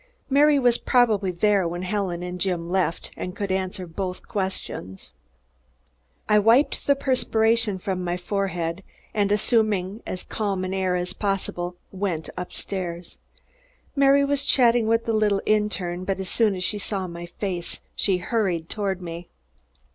Mary was probably there when Helen and Jim left, and could answer both questions. I wiped the perspiration from my forehead and assuming as calm an air as possible, went up stairs. Mary was chatting with the little interne, but as soon as she saw my face, she hurried toward me.